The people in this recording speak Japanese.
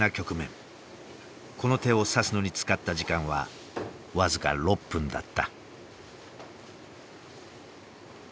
この手を指すのに使った時間は僅か６分だった。